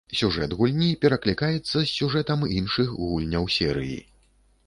Сюжэт гульні пераклікаецца з сюжэтам іншых гульняў серыі.